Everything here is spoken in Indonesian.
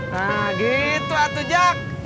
nah gitu atu jack